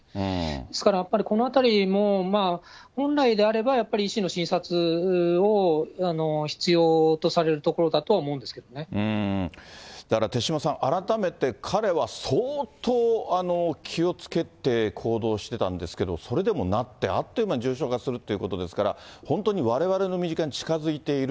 ですからやっぱり、このあたりも、本来であればやっぱり医師の診察を必要とされるところだと思うんだから手嶋さん、改めて、彼は相当、気をつけて行動してたんですけど、それでもなって、あっという間に重症化するっていうことですから、本当にわれわれの身近に近づいている。